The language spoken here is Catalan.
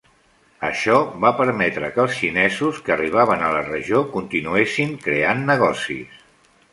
Això va permetre que els xinesos que arribaven a la regió continuessin creant negocis.